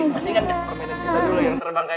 pasti kan komedian kita dulu yang terbangkanya